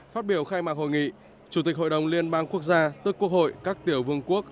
phát biểu khai mạc hội nghị chủ tịch hội đồng liên bang quốc gia tức quốc hội các tiểu vương quốc